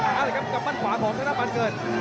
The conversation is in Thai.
นะครับกลับบ้านขวาผ่องข้างหน้าปานเงิน